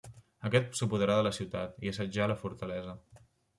Aquest s'apoderà de la ciutat i assetjà la fortalesa.